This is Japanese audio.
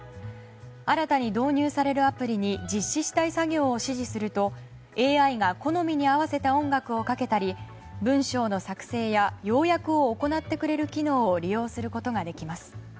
新たに導入するアプリに実施したい作業を指示するとＡＩが好みに合わせた音楽をかけたり文章の作成や要約を行ってくれる機能を利用できるようになります。